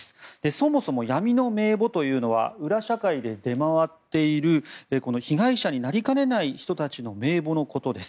そもそも闇の名簿というのは裏社会で出回っている被害者になりかねない人たちの名簿のことです。